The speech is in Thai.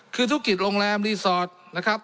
คือธุรกิจโรงแรมรีสอร์ทนะครับ